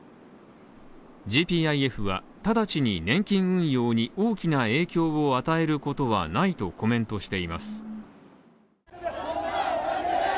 ＧＰＩＦは、ただちに年金運用に大きな影響を与えることはないとコメントしています。